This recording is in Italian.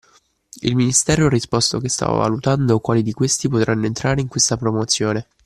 Il ministero ha risposto che stava valutando quali di questi potranno entrare in questa promozione